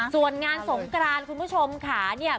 ส่วนงานสงกรานคุณผู้ชมค่ะเนี่ย